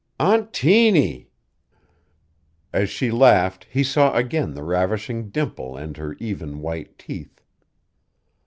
"Aunt Tiny!" As she laughed he saw again the ravishing dimple and her even, white teeth.